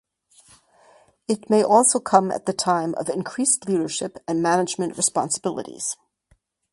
It may also come at the time of increased leadership and management responsibilities.